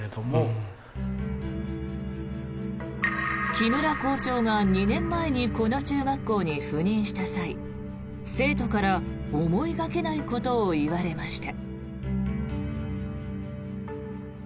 木村校長が２年前にこの中学校に赴任した際生徒から思いがけないことを言われました。